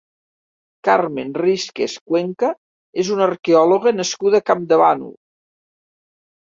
Carmen Rísquez Cuenca és una arqueòloga nascuda a Campdevànol.